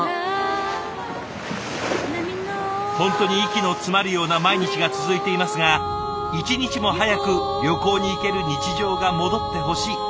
本当に息の詰まるような毎日が続いていますが一日も早く旅行に行ける日常が戻ってほしい。